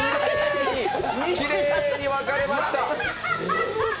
きれいに分かれました。